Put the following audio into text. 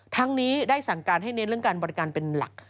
ทั้งนี้ได้สั่งการให้เน้นเรื่องการบริการเป็นหลัก